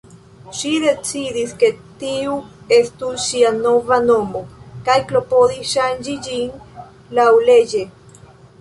Ŝi decidis, ke tiu estu ŝia nova nomo, kaj klopodis ŝanĝi ĝin laŭleĝe.